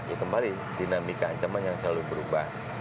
ya kemarin dinamika ancaman yang selalu berubah